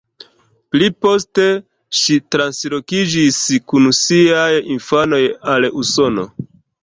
Pli poste, ŝi translokiĝis kun siaj infanoj al Usono.